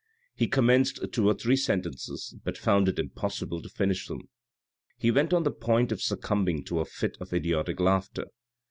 He commenced two or three sentences, but found it impossible to finish them. He felt on the point of succumbing to a fit of idiotic laughter.